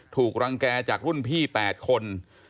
ถูกรังแก่จากรุ่นพี่๘คน